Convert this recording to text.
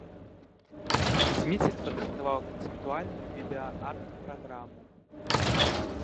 Зміцер падрыхтаваў канцэптуальную відэа-арт-праграму.